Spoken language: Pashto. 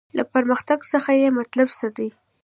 له پرمختګ څخه یې مطلب څه دی.